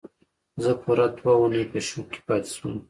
زه پوره دوه اونۍ په شوک کې پاتې شوم